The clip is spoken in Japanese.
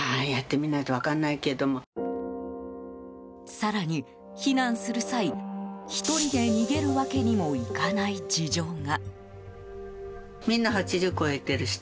更に避難する際、１人で逃げるわけにもいかない事情が。